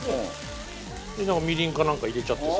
みりんかなんか入れちゃってさ。